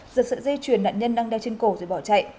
giật sợi dây chuyền nạn nhân đang đeo trên cổ rồi bỏ chạy